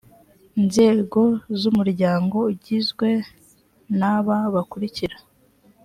nzego z umuryango igizwe n aba bakurikira